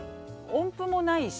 音符もないし。